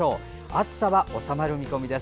暑さは収まる見込みです。